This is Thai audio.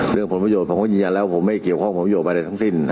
ผลประโยชนผมก็ยืนยันแล้วผมไม่เกี่ยวข้องผลประโยชน์อะไรทั้งสิ้น